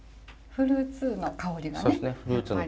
フルーツの香りがします。